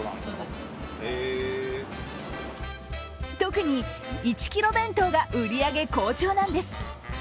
特に１ｋｇ弁当が売り上げ好調なんです。